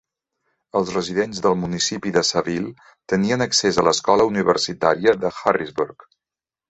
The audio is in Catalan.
Els residents del municipi de Saville tenen accés a l'Escola Universitària de Harrisburg.